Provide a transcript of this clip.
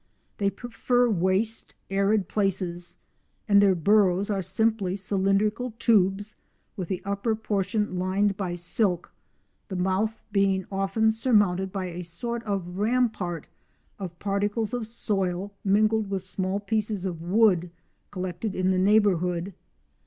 They prefer waste, arid places, and their burrows are simple cylindrical tubes with the upper portion lined by silk, the mouth being often surmounted by a sort of rampart of particles of soil mingled with small pieces of wood collected in the neighbourhood.